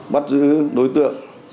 bắt giữ đối tượng